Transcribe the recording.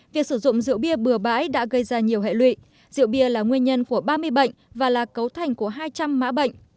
việc sử dụng rượu bia bừa bãi đã gây ra nhiều hệ lụy rượu bia là nguyên nhân của ba mươi bệnh và là cấu thành của hai trăm linh mã bệnh